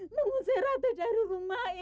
mengusir ratih dari rumahmu